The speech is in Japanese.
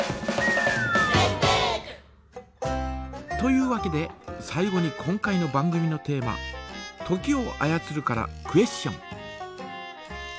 というわけで最後に今回の番組のテーマ「時を操る」からクエスチョン。